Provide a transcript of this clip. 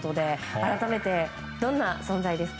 改めて、どんな存在ですか？